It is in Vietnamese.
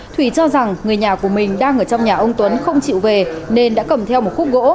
thủy cho rằng người nhà của mình đang ở trong nhà ông tuấn không chịu về nên đã cầm theo một khúc gỗ